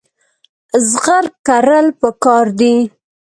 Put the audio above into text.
زغر کرل پکار دي.